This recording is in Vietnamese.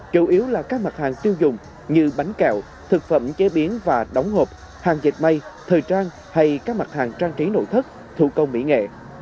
chủ yếu là các mặt hàng tiêu dùng như bánh kẹo thực phẩm chế biến và đóng hộp hàng dịch may thời trang hay các mặt hàng trang trí nội thất thủ công mỹ nghệ